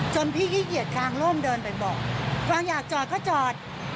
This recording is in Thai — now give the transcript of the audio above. พี่ขี้เกียจทางโล่งเดินไปบอกความอยากจอดก็จอด